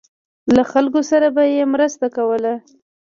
له خلکو سره به یې مرسته کوله.